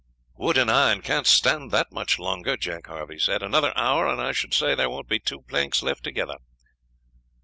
"Wood and iron can't stand that much longer," Jack Harvey said; "another hour and I should say there won't be two planks left together."